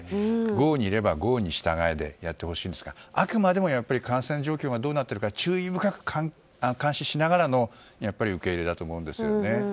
郷に入れば郷に従えでやってほしいんですがあくまでも感染状況がどうなっているか注意深く監視しながらの受け入れだと思うんですよね。